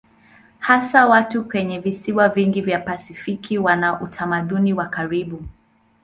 Hasa watu kwenye visiwa vingi vya Pasifiki wana utamaduni wa karibu.